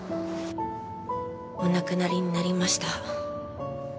お亡くなりになりました。